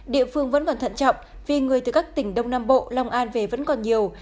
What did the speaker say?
địa phương vẫn còn thận trọng vì người từ các tỉnh đông nam bộ long an về vẫn còn nhiều